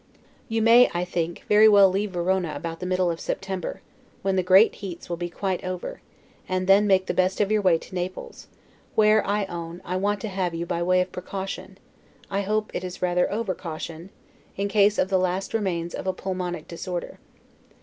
You may, I think, very well leave Verona about the middle of September, when the great heats will be quite over, and then make the best of your way to Naples; where, I own, I want to have you by way of precaution (I hope it is rather over caution) in case of the last remains of a pulmonic disorder.